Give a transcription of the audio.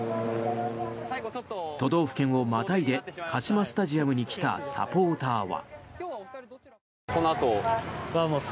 都道府県をまたいでカシマスタジアムに来たサポーターは。